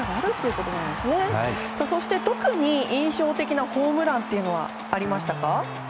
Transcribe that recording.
そして特に印象的なホームランというのはありましたか？